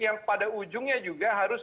yang pada ujungnya juga harus